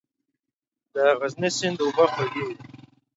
د غزني سیند اوبه خوږې دي